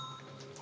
あ